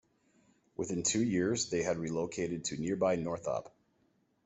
Within two years they had relocated to nearby Northop.